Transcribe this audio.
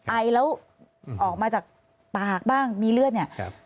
ไอแล้วออกมาจากปากบ้างมีเลือดเนี่ย